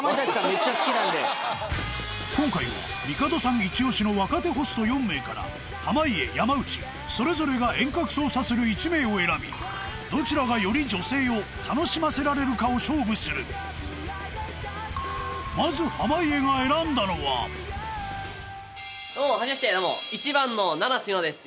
めっちゃ好きなんで今回は帝さんイチオシの若手ホスト４名から濱家山内それぞれが遠隔操作する１名を選びどちらがより女性を楽しませられるかを勝負するまず濱家が選んだのはどうも初めましてどうも１番の七瀬優乃です